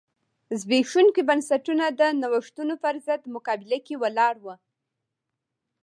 زبېښونکي بنسټونه د نوښتونو پرضد مقابله کې ولاړ و.